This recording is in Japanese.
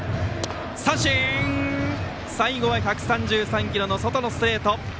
三振、最後は１３３キロの外のストレート。